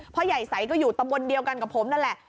พ่อใหญ่ใสก็อยู่ตำบลเดียวกันกับผมนั่นแหละ